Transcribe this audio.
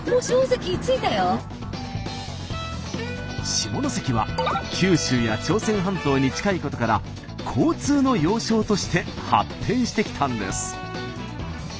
下関は九州や朝鮮半島に近いことから交通の要衝として発展してきたんです。